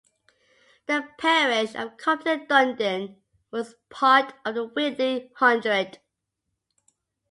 The parish of Compton Dundon was part of the Whitley Hundred.